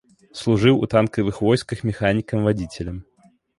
Служыў у танкавых войсках механікам-вадзіцелем.